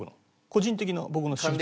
個人的な僕の私物。